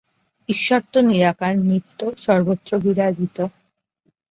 ঈশ্বর তো নিরাকার, নিত্য, সর্বত্র বিরাজিত।